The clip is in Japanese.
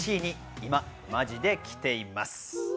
今マジで来ています。